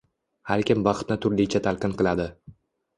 Har kim baxtni turlicha talqin qiladi.